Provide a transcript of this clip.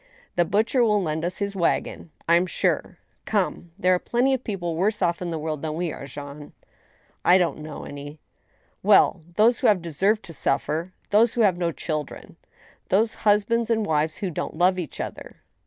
... The butcher will lend us his wagon, I am sure. ... Come, there are plenty of people worse off in the world than we are, Jean !"" I don't know any." '* Well ! those who have deserved to suffer ; those who have no children ; those husbands and wives who don't love each other."